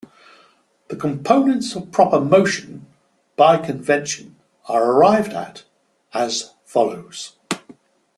The components of proper motion by convention are arrived at as follows.